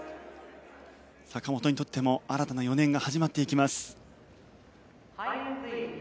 坂本にとっても新たな４年が始まっていきます。